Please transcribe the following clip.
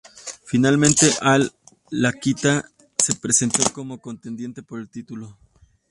Finalmente Al Iaquinta se presentó como contendiente por el título.